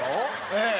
ええ。